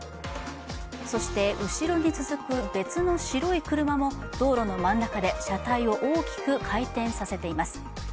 そして後ろに続く別の白い車も道路の真ん中で車体を大きく回転させています。